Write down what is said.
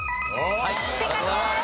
正解です。